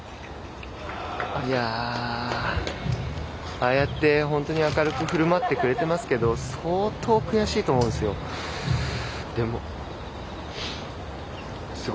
ああやって本当に明るく振る舞ってくれてますけど相当悔しいと思うんですよ。